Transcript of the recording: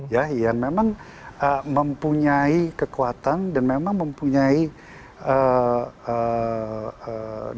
ya yang memang mempunyai kekuatan dan memang mempunyai dukungan